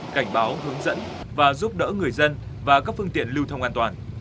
cảnh báo hướng dẫn và giúp đỡ người dân và các phương tiện lưu thông an toàn